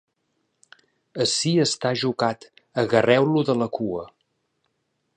Ací està ajocat, agarreu-lo de la cua.